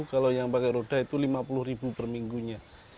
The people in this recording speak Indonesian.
kalau yang pakai roda itu lima puluh ribu per minggunya